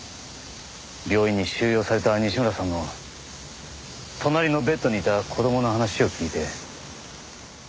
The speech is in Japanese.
病院に収容された西村さんの隣のベッドにいた子供の話を聞いて。